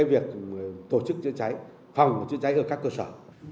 việc tổ chức chữa cháy phòng chữa cháy ở các cơ sở